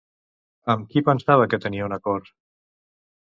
Amb qui pensava que tenia un acord?